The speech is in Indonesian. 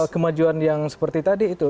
kemajuan yang seperti tadi itu